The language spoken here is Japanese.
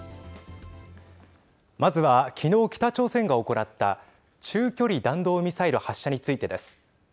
まずは昨日北朝鮮が行った中距離弾道ミサイル発射についてです。